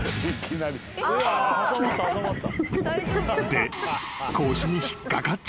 ［で］